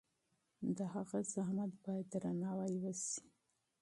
د هغه زحمت باید درناوی شي.